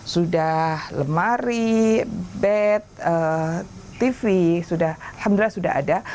sudah lemari bed tv alhamdulillah sudah ada